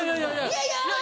いやいや！